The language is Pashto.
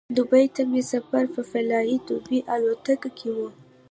دوبۍ ته مې سفر په فلای دوبۍ الوتکه کې و.